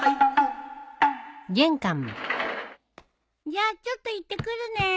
じゃあちょっと行ってくるね。